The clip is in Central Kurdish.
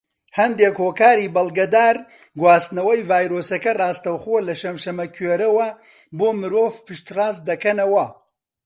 هەندێک هۆکاری بەڵگەدار گواستنەوەی ڤایرۆسەکە ڕاستەوخۆ لە شەمشەمەکوێرەوە بۆ مرۆڤ پشت ڕاست دەکەنەوە.